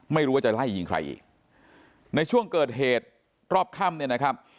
ไม่รู้ว่าจะไล่ยิงใครอีกในช่วงเกิดเหตุรอบค่ำเนี่ยนะครับ